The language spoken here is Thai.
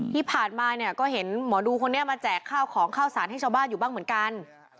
ที่ผ่านมาเนี่ยก็เห็นหมอดูคนนี้มาแจกข้าวของข้าวสารให้ชาวบ้านอยู่บ้างเหมือนกัน